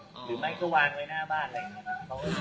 หรือไม่ก็วางไว้หน้าบ้านอะไรอย่างนี้นะ